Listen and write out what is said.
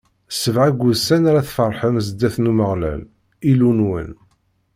Sebɛa n wussan ara tfeṛḥem zdat n Umeɣlal, Illu-nwen.